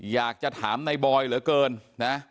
อยากจะถามในบอยเหลือเกินนะ